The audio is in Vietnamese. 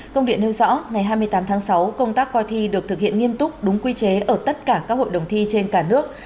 công điện nêu rõ ngày hai mươi tám tháng sáu công tác coi thi được thực hiện nghiêm túc đúng quy chế ở tất cả các hội đồng thi trên cả nước